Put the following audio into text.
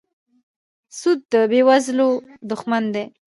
سود د بېوزلو دښمن دی.